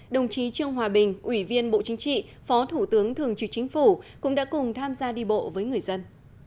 đồng chí trương hòa bình ủy viên bộ chính trị phó thủ tướng thường trực chính phủ cũng đã cùng tham gia đi bộ với người dân